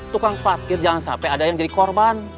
tukang parkir jangan sampai ada yang jadi korban